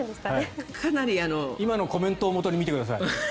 今のコメントをもとに見てください。